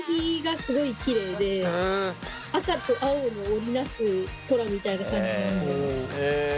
赤と青の織り成す空みたいな感じなんです